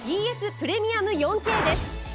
プレミアム４Ｋです。